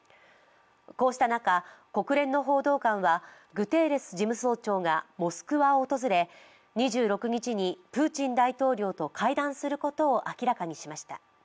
こうした中、国連の報道官はグテーレス事務総長がモスクワを訪れ２６日にプーチン大統領と会談することを明らかにしました。